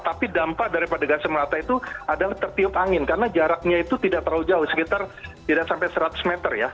tapi dampak daripada gas air mata itu adalah tertiup angin karena jaraknya itu tidak terlalu jauh sekitar tidak sampai seratus meter ya